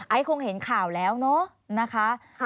คงเห็นข่าวแล้วเนอะนะคะ